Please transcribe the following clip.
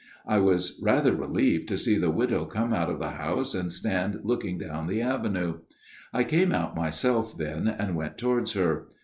I was rather relieved to see the widow come out of the house and stand looking down the avenue. I came out myself then and went towards her.